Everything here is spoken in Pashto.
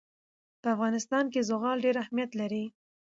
په افغانستان کې زغال ډېر اهمیت لري.